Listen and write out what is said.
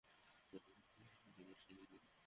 সবাই খানিকটা বিশ্রাম নিন।